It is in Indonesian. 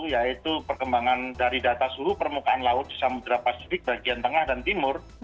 yaitu perkembangan dari data suhu permukaan laut di samudera pasifik bagian tengah dan timur